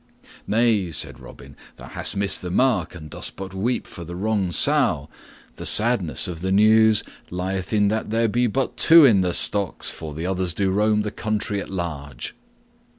"Nay," said Robin, "thou hast missed the mark and dost but weep for the wrong sow. The sadness of the news lieth in that there be but two in the stocks, for the others do roam the country at large."